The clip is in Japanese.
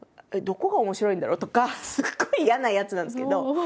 どこが面白いんだろう？とかすごい嫌なやつなんですけど。